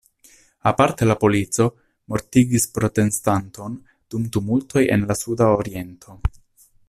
Aparte la polico mortigis protestanton dum tumultoj en la sudaoriento.